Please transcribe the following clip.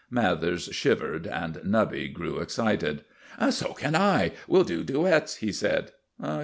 Mathers shivered and Nubby grew excited. "So can I. We'll do duets," he said.